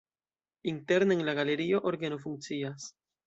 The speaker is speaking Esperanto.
Interne en la galerio orgeno funkcias.